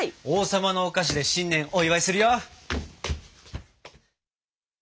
王様のお菓子で新年お祝いするよ！